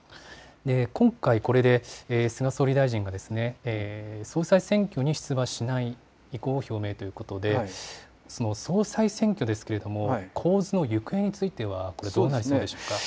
今回、これで菅総理大臣が総裁選挙に出馬しない意向を表明ということでその総裁選挙ですけれども、構図の行方についてはどうでしょうか。